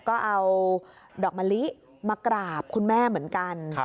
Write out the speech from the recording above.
ก็เอาดอกมะลิมากราบคุณแม่เหมือนกัน